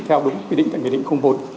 theo đúng quy định tại nghệ định bốn